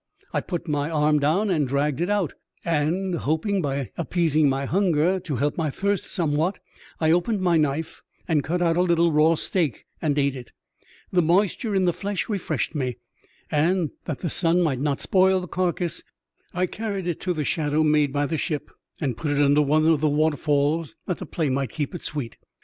I put my arm down and dragged it out, and, hoping by appeasing my hunger to help my thirst some EXTBAOBDINABY ADVENTURE OF A CHIEF MATE. 85 what, I opened my knife and cut out a little raw steak, and ate it. The moisture in the flesh refreshed me, and, that the sun might not spoil the carcase, I carried it to the shadow made by the ship and put it under one of the waterfalls that the play might keep it sweet.